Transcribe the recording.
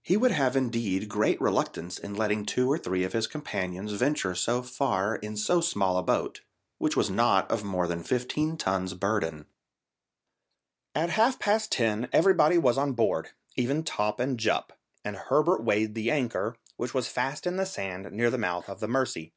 He would have indeed great reluctance in letting two or three of his companions venture so far in so small a boat, which was not of more than fifteen tons' burden. At half past ten everybody was on board, even Top and Jup, and Herbert weighed the anchor, which was fast in the sand near the mouth of the Mercy.